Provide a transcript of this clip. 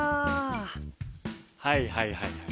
はいはいはいはい。